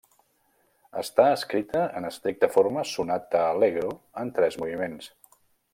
Està escrita, en estricta forma sonata-allegro, en tres moviments.